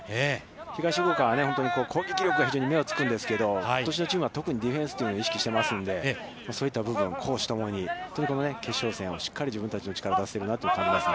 東福岡は攻撃力が目をつくんですけれども、ことしのチームは特にディフェンスというのを意識していますので、そういった部分攻守ともに本当にこの決勝戦で自分たちの力を出せているなという感じですね。